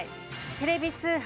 テレビ通販